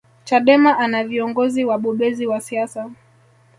chadema ina viongozi wabobezi wa siasa